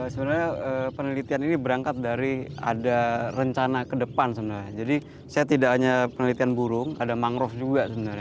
sebenarnya penelitian ini berangkat dari ada rencana ke depan sebenarnya jadi saya tidak hanya penelitian burung ada mangrove juga sebenarnya